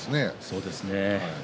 そうですね。